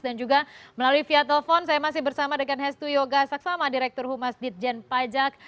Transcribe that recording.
dan juga melalui via telepon saya masih bersama dengan hestu yoga saksama direktur humas ditjen pajak